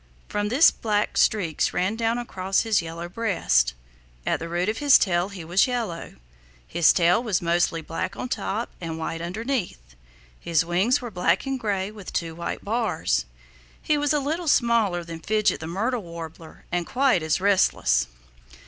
From this black streaks ran down across his yellow breast. At the root of his tail he was yellow. His tail was mostly black on top and white underneath. His wings were black and gray with two white bars. He was a little smaller than Fidget the Myrtle Warbler and quite as restless.